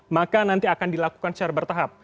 maka nanti akan dilakukan secara bertahap